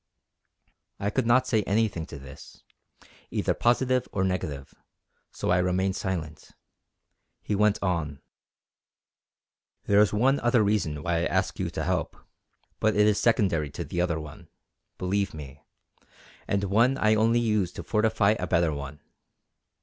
I could not say anything to this, either positive or negative, so I remained silent. He went on: "There is one other reason why I ask you to help, but it is secondary to the other one, believe me, and one I only use to fortify a better one.